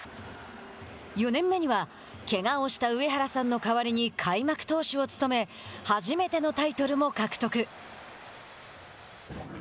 ４年目にはけがをした上原さんの代わりに開幕投手を務め初めてのタイトルも獲得。